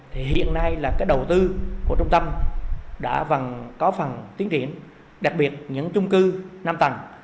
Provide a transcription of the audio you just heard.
thì hiện nay là cái đầu tư của trung tâm đã có phần tiến triển đặc biệt những chung cư năm tầng